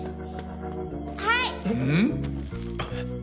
はい。